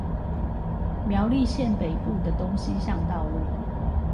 苗栗縣北部的東西向道路